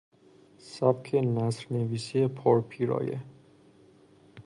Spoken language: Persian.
سبک نثر نویسی پر پیرایه